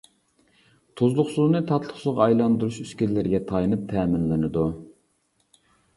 تۇزلۇق سۇنى تاتلىق سۇغا ئايلاندۇرۇش ئۈسكۈنىلىرىگە تايىنىپ تەمىنلىنىدۇ.